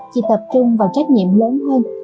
chị tập trung vào trách nhiệm lớn hơn